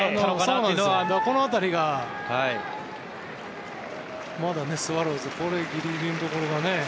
この辺りがまだスワローズこれ、ギリギリのところがね。